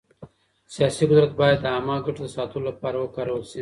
سياسي قدرت بايد د عامه ګټو د ساتلو لپاره وکارول سي.